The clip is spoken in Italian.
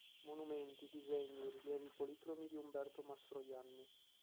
Monumenti, disegni, rilievi policromi di Umberto Mastroianni.